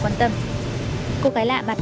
ờ vừa nãy